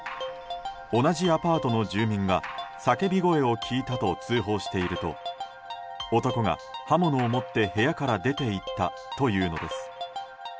同じアパートの住民が叫び声を聞いたと通報していると男が、刃物を持って部屋から出ていったというのです。